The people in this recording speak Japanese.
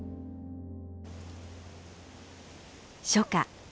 初夏。